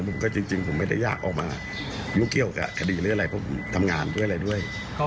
บอกตัวผมเองนะจริงผมไม่ได้อยากออกมายู้เกี่ยวกับคดีหรืออะไรผมทำงานด้วยอะไรด้วย